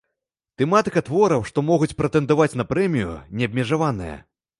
Тэматыка твораў, што могуць прэтэндаваць на прэмію, не абмежаваная.